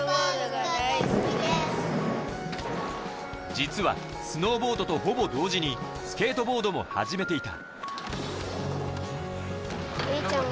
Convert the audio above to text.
実はスノーボードとほぼ同時にスケートボードも始めていた。